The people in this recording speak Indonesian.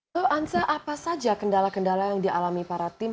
lalu ansa apa saja kendala kendala yang dialami para tim